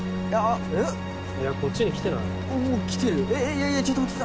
いやいやちょっと待って。